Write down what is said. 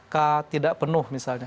k tidak penuh misalnya